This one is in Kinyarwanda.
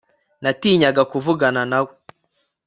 Natinyaga kuvugana nawe